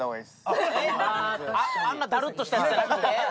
あんな、だるっとしたやつじゃなくて？